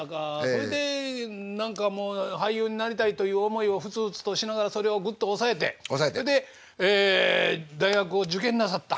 ほいで何か俳優になりたいという思いをふつふつとしながらそれをグッと抑えてそれで大学を受験なさった？